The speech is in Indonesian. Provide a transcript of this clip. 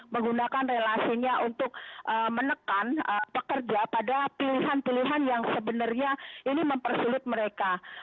menggunakan relasinya untuk menekan pekerja pada pilihan pilihan yang sebenarnya ini mempersulit mereka